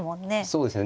そうですね。